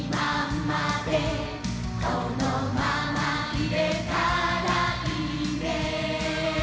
「このままいれたらいいね」